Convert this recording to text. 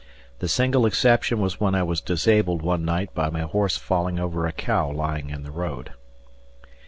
The single exception was when I was disabled one night by my horse falling over a cow lying in the road.